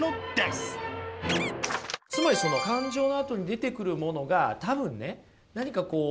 つまりその感情のあとに出てくるものが多分ね何かこう